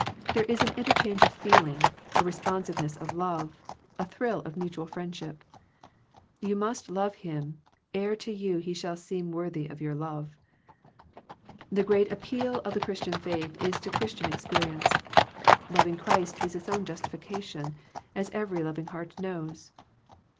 There is an interchange of feeling, a re sponsiveness of love, a thrill of mutual friendship. You must love Him, ere to you He shall seem worthy of your love. The great appeal of the Christian faith is to Christian experience. Loving Christ is its own justification, as every loving heart knows.